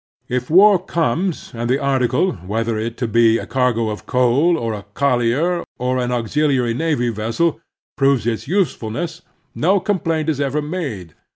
If war comes, and the article, whether it be a cargo of coal, or a collier, or an auxiliary naval vessel, proves its usefulness, no complaint is ever made.